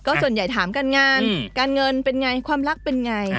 ส่วนใหญ่ถามการงานการเงินเป็นไงความรักเป็นไง